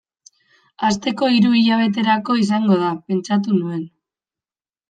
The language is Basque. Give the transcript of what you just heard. Hasteko, hiru hilabeterako izango da, pentsatu nuen.